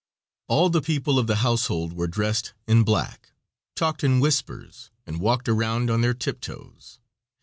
All the people of the household were dressed in black, talked in whispers, and walked around on their tiptoes.